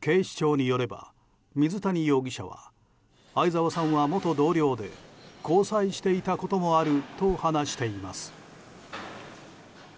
警視庁によれば水谷容疑者は相沢さんは元同僚で交際していたこともあると話しています。